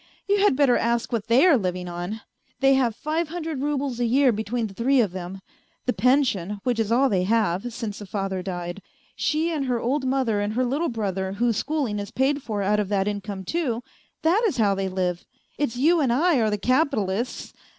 You had better ask what they are living on ! They have five hundred roubles a year between the three of them : the pension, which is all they have, since the father died. She and her old mother and her little brother, whose schooling is paid for out of that income too that is how they live ! It's you and I are the capitalists